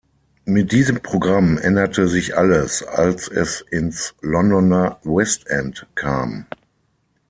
Mit diesem Programm änderte sich alles, als es ins Londoner West End kam.